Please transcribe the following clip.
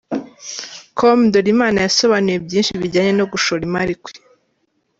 com Ndolimana yasobanuye byinshi bijyanye no gushora imari kwe.